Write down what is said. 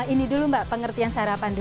ini dulu mbak pengertian sarapan dulu